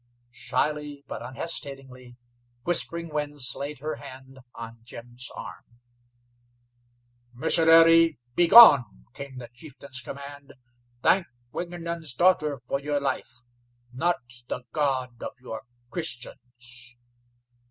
Shyly but unhesitatingly Whispering Winds laid her hand Jim's arm. "Missionary, begone!" came the chieftain's command. "Thank Wingenund's daughter for your life, not the God of your Christians!"